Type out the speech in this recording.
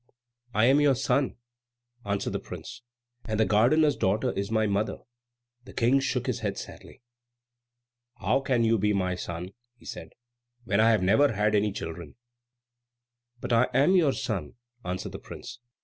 "I am your son," answered the prince, "and the gardener's daughter is my mother." The King shook his head sadly. "How can you be my son," he said, "when I have never had any children?" "But I am your son," answered the prince.